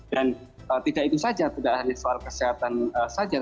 dan tidak itu saja tidak hanya soal kesehatan saja